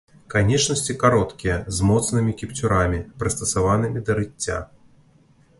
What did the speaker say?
Канечнасці кароткія, з моцнымі кіпцюрамі, прыстасаванымі да рыцця.